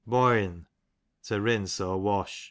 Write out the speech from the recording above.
Boyrn, to rinse or wash.